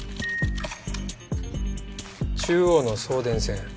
中央の送電線。